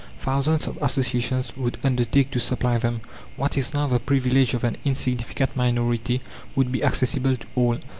Thousands of associations would undertake to supply them. What is now the privilege of an insignificant minority would be accessible to all.